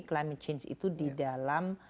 climate change itu di dalam